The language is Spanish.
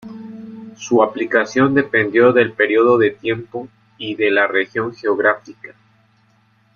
Su aplicación dependió del periodo de tiempo, y de la región geográfica.